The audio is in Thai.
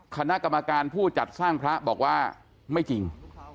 คณะกรรมการผู้จัดสร้างพระบอกว่าไม่จริง